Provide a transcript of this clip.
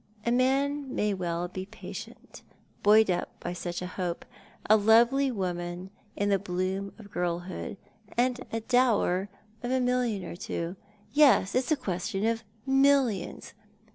A man may well bo patient, buoyed up by such a hope. A lovely woman in the bloom of girlhood, and a dower of a million or two. Yes, it's a question of millions.